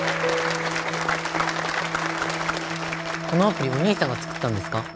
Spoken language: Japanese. このアプリお兄さんが作ったんですか？